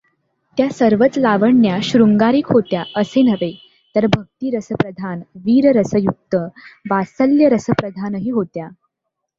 त्या सर्वच लावण्या शृंगारिक होत्या, असे नव्हे तर भक्तीरसप्रधान, वीररसयुक्त, वात्सल्यरसप्रधानही होत्या.